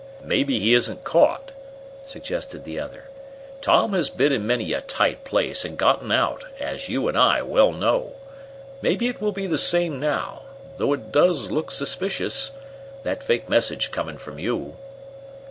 "Maybe he isn't caught," suggested the other. "Tom has been in many a tight place and gotten out, as you and I well know. Maybe it will be the same now, though it does look suspicious, that fake message coming from you."